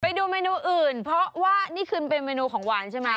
ไปดูเมนูอื่นเพราะว่านี่คือเป็นเมนูของหวานใช่ไหม